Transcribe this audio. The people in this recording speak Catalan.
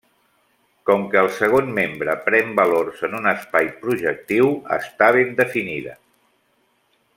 Com que el segon membre pren valors en un espai projectiu, està ben definida.